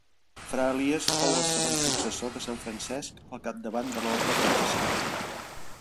Fra Elies fou el segon successor de sant Francesc al capdavant de l'orde franciscà.